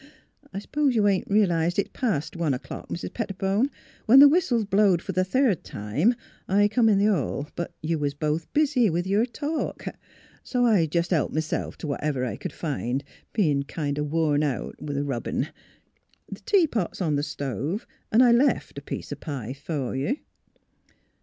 ... I s'pose you ain't re'lised it's past one o'clock. Mis' Pet tibone. When the whistles blowed fer the third 240 THE HEART OF PHILUEA time, I come in th' hall; but you was both busy with yer talk; so I jes' helped m'self t' whatever I c'd find, bein' kin' o' worn out rubbin'? The tea pot's on th' stove; an' I left a piece o' pie fer you."